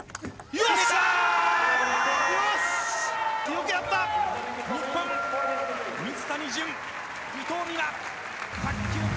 よし、よくやった、日本、水谷隼、伊藤美誠、卓球界